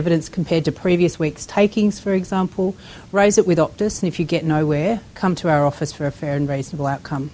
dan perusahaan telekomunikasi tersebut